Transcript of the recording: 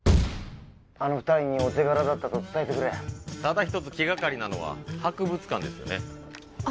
あの二人にお手柄だったと伝えてくれただ一つ気がかりなのは博物館ですよねあっ